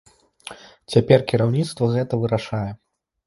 Цяпер кіраўніцтва гэта вырашае.